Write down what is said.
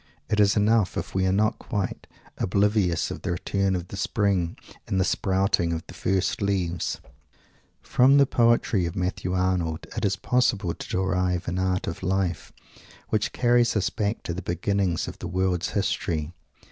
It is enough if we are not quite oblivious of the return of the Spring and the sprouting of the first leaves. From the poetry of Matthew Arnold it is possible to derive an art of life which carries us back to the beginnings of the world's history.